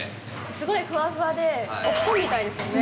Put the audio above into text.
すごいふわふわでお布団みたいですよね。